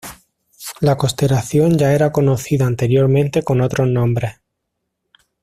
La constelación ya era conocida anteriormente con otros nombres.